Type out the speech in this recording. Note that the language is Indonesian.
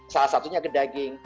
salah satunya ke daging